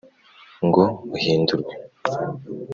ngo uhindurwe